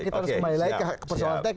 kita harus kembali lagi ke personal tech